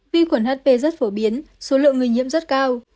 vi khuẩn hp rất phổ biến số lượng người nhiễm rất cao